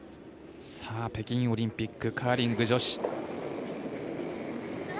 北京オリンピックカーリング女子。